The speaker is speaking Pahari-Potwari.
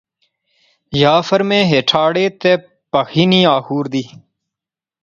یا فیر میں ہیٹھ آڑے تے پیخی نی آخور دی